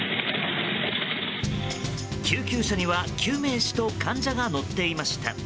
救急車には救命士と患者が乗っていました。